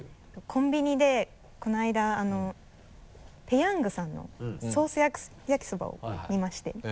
コンビニでこのあいだ「ペヤング」さんのソース焼きそばを見まして。